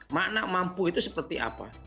makna mampu itu seperti apa